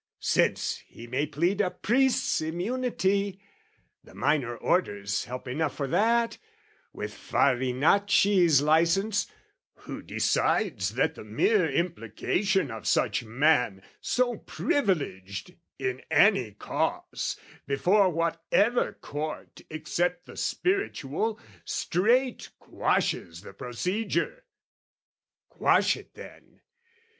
"Since he may plead a priest's immunity, "The minor orders help enough for that, "With Farinacci's licence, who decides "That the mere implication of such man, "So privileged, in any cause, before "Whatever court except the Spiritual, "Straight quashes the procedure, quash it, then!